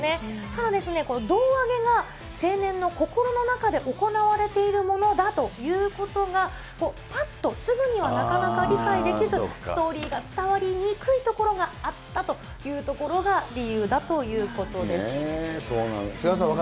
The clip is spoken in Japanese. ただですね、胴上げが青年の心の中で行われているものだということが、ぱっとすぐにはなかなか理解できず、ストーリーが伝わりにくいところがあったというところが理由だということです。